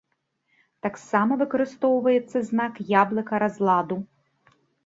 Таксама выкарыстоўваецца знак яблыка разладу.